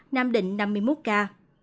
nam định năm mươi một ca